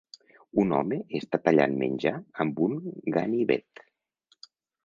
Un home està tallant menjar amb un ganivet